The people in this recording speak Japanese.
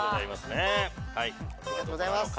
ありがとうございます。